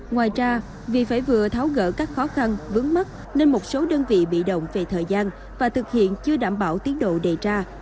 ngoài ra vì phải vừa tháo gỡ các khó khăn vướng mắt nên một số đơn vị bị động về thời gian và thực hiện chưa đảm bảo tiến độ đề ra